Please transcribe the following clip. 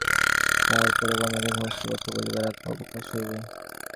তাহার পরে কমলাকেও সমস্ত কথা বলিবার অবকাশ হইবে।